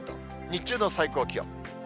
日中の最高気温。